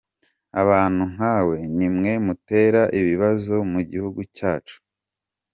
Abantu nkawe nimwe mutera ibibazo mu gihugu cyacu!